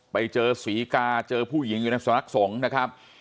ไปเจอศรีกาเจอผู้หญิงอยู่ในสำนักสงฆ์นะครับ